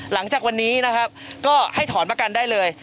หลังจากวันนี้นะครับก็ให้ถอนประกันได้เลย